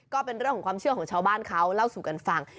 ก็เป็นเรื่องของความเชื่อของชาวบ้านเขาเล่าสู่กันฟัง